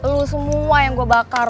lu semua yang gue bakar